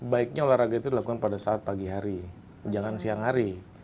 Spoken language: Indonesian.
baiknya olahraga itu dilakukan pada saat pagi hari jangan siang hari